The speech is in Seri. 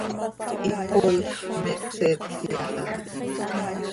Ihpooij, me hpseeti haa hi.